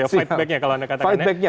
fight back nya kalau anda katakan